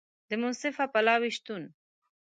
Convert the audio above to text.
د منصفه پلاوي شتون